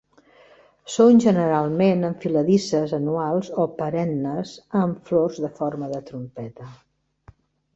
Són generalment enfiladisses anuals o perennes amb flors de forma de trompeta.